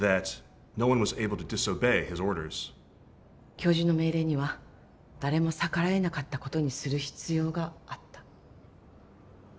教授の命令には誰も逆らえなかったことにする必要があった。